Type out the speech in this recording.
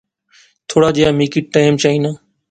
تھوڑا جہیا می کی ٹیم چائینا